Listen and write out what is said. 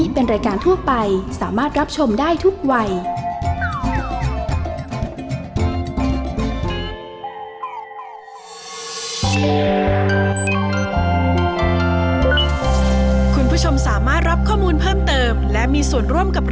เป็นกี้ก็โหลดแล้วค่ะ